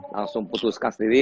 langsung putuskan sendiri